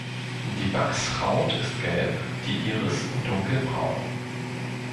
Die Wachshaut ist gelb, die Iris dunkelbraun.